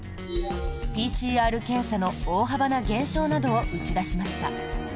ＰＣＲ検査の大幅な減少などを打ち出しました。